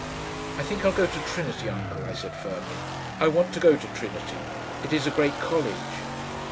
"I think I'll go to Trinity, Uncle," I said firmly. "I want to go to Trinity. It is a great college."